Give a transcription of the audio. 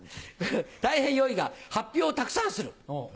「たいへんよい」が「発表をたくさんする」。